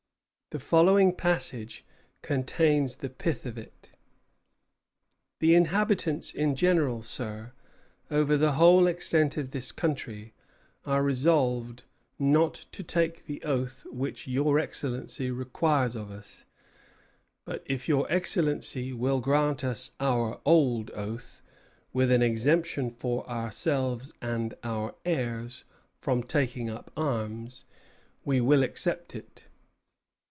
The following passage contains the pith of it. "The inhabitants in general, sir, over the whole extent of this country are resolved not to take the oath which your Excellency requires of us; but if your Excellency will grant us our old oath, with an exemption for ourselves and our heirs from taking up arms, we will accept it."